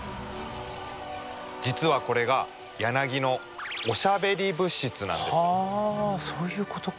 実はこれがヤナギのそういうことか。